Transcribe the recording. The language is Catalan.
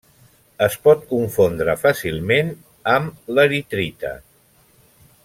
Es pot confondre fàcilment amb l'eritrita.